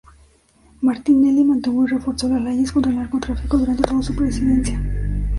Martinelli mantuvo y reforzó las leyes contra el narcotráfico durante todo su presidencia.